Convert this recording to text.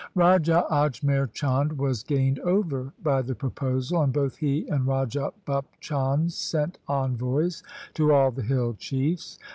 Raja Ajmer Chand was gained over by the proposal, and both he and Raja Bhup Chand sent envoys to all the hill chiefs.